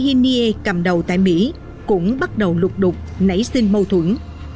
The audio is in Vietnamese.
hội bộ hội thánh umcc mà ihinie cầm đầu tại mỹ cũng bắt đầu lục đục nảy sinh mâu thuẫn